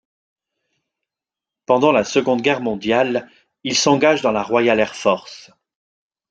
Pendant la Seconde Guerre mondiale, il s'engage dans la Royal Air Force.